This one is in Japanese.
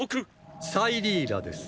サイリーラです。